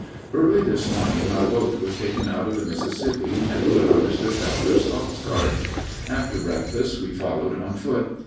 _) Early this morning our boat was taken out of the Mississippi and put on Mr. Fetler's ox cart. After breakfast we followed on foot.